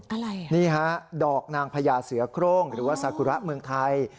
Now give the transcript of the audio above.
อะไรนี่ฮะดอกนางพญาเสือโครงหรือว่าสากุระเมืองไทย